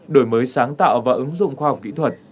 đổi mới sáng tạo và ứng dụng khoa học kỹ thuật